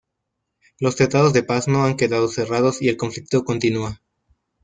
Los tratados de paz no han quedado cerrados y el conflicto continúa.